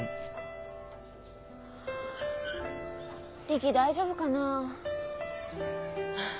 リキ大丈夫かなあ？